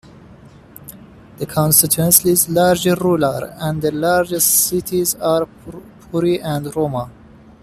The constituency is largely rural, and the largest cities are Pori and Rauma.